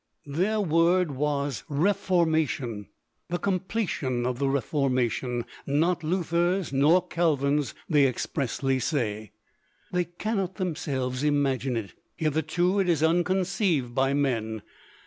Their word was "Reformation" "the completion of the Reformation"; not Luther's nor Calvin's, they expressly say; they cannot themselves imagine it. Hitherto it is unconceived by men.